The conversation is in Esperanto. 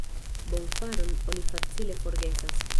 Bonfaron oni facile forgesas.